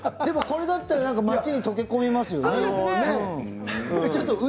これだったら街に溶け込みますよね。